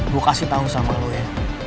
gue kasih tau sama lo ya